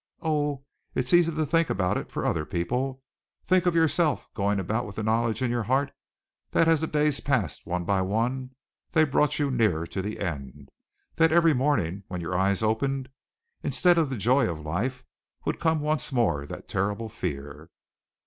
Oh! it's easy to think about it for other people! Think of yourself going about with the knowledge in your heart that as the days passed one by one they brought you nearer to the end, that every morning when your eyes opened, instead of the joy of life would come once more that terrible fear."